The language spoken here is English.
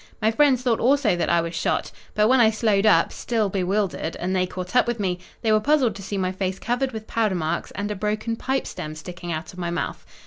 "My friends thought also that I was shot. But when I slowed up, still bewildered, and they caught up with me, they were puzzled to see my face covered with powder marks and a broken pipe stem sticking out of my mouth.